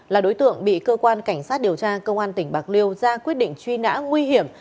là đối tượng bị cơ quan cảnh sát điều tra công an tỉnh bạc liêu ra quyết định truy nã nguy hiểm